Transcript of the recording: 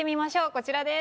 こちらです。